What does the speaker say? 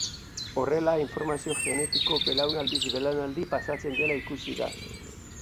Horrela, informazio genetikoa belaunaldiz belaunaldi pasatzen dela ikusi da.